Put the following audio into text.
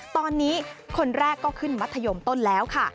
ตอนนี้คนแรกก็ขึ้นมัธยมต้นแล้วค่ะ